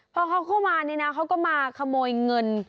พอเขาเข้ามาเนี่ยนะเขาก็มาขโมยเงิน